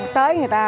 tới người ta